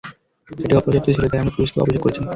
এটি অপর্যাপ্ত ছিল তাই আমরা পুলিশকেও অভিযোগ করেছি।